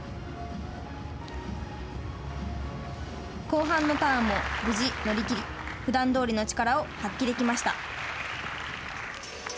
後半のターンも無事乗り切りふだんどおりの力を発揮できました。